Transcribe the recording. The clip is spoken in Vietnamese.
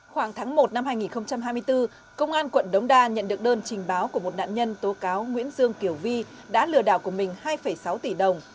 khoảng tháng một năm hai nghìn hai mươi bốn công an quận đống đa nhận được đơn trình báo của một nạn nhân tố cáo nguyễn dương kiều vi đã lừa đảo của mình hai sáu tỷ đồng